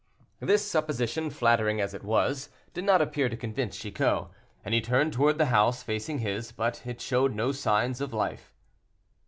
This supposition, flattering as it was, did not appear to convince Chicot, and he turned toward the house facing his, but it showed no signs of life.